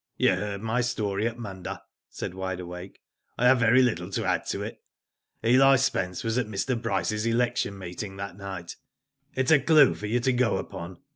"You heard my story at Munda," said Wide Awake. I have very little to add to it. Eli Spence was at Mr. Bryce^s election meeting that night. It is a clue for you to go upon.